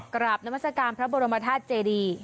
กราบนามศกรรมพระมหาธาตุเจดี